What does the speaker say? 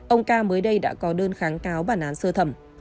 ông ca mới đây đã có đơn kháng cáo bản án sơ thẩm